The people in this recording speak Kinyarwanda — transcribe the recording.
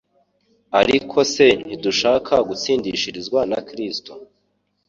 Ariko se ntidushaka gutsindishirizwa na Kristo